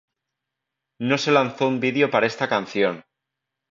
No se lanzó un video para esta canción.